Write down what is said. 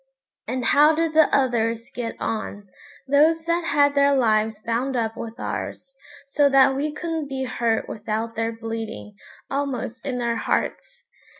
And how did the others get on, those that had their lives bound up with ours, so that we couldn't be hurt without their bleeding, almost in their hearts?